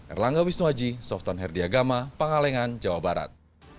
erlangga wisnuaji softan herdiagama pangalengan jawa barat